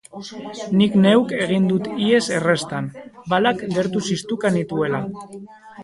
Nik neuk egin dut ihes herrestan, balak gertu ziztuka nituela!